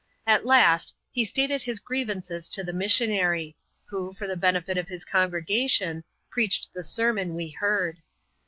At last, he stated his grievances to the missionary ; who, for the benefit of his congregation, preached the sermon we heard.